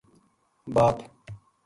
باپ